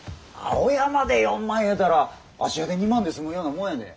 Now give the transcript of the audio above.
青山で４万いうたら芦屋で２万で住むようなもんやで。